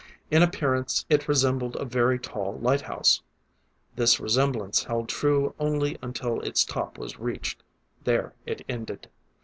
In appearance, it resembled a very tall lighthouse. This resemblance held true only until its top was reached; there it ended.